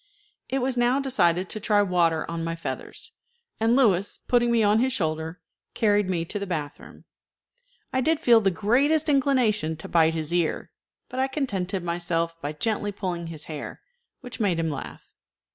It was now decided to try water on my feathers, and Louis, putting me on his shoulder, carried me to the bath room. I did feel the greatest inclination to bite his ear, but I contented myself by gently pulling his hair, which made him laugh.